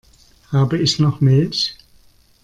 Habe ich noch Milch?